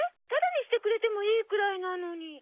タダにしてくれてもいいくらいなのに。